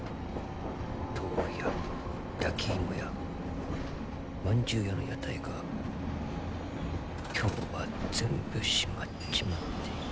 豆腐屋焼き芋屋まんじゅう屋の屋台が今日は全部閉まっちまっている。